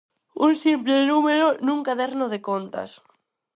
Un simple número nun caderno de contas.